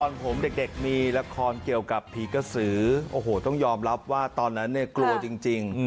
ตอนผมเด็กมีละครเกี่ยวกับผีกระสือโอ้โหต้องยอมรับว่าตอนนั้นเนี่ยกลัวจริง